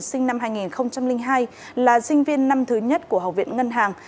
sinh năm hai nghìn hai là sinh viên năm thứ nhất của học viện ngân hàng